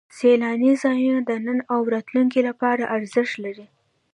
سیلاني ځایونه د نن او راتلونکي لپاره ارزښت لري.